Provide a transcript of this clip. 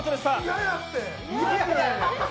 嫌やって！